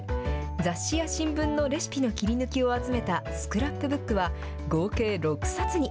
雑誌や新聞のレシピの切り抜きを集めたスクラップブックは合計６冊に。